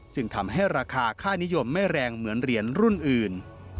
จึงทำให้ราคาค่านิยมไม่แรงเหมือนเหรียญรุ่นอื่น